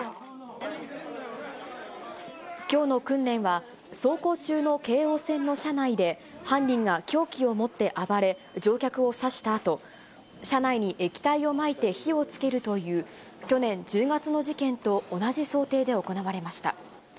きょうの訓練は、走行中の京王線の車内で、犯人が凶器を持って暴れ、乗客を刺したあと、車内に液体をまいて火をつけるという、去年１０月の事件と同じ想定で行われました。